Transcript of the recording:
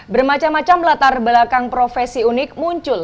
bermacam macam latar belakang profesi unik muncul